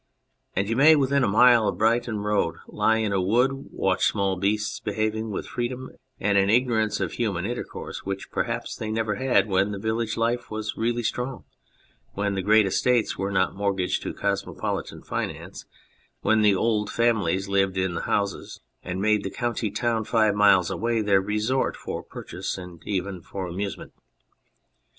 And you may within a mile of the Brighton road lie in a wood and watch small beasts behaving with a freedom and an ignorance of human intercourse which perhaps they never had when village life was really strong, when the great estates were not mortgaged to cosmopolitan finance, when the old families lived in their houses and made the county town five miles away their resort for purchase and even for amusement.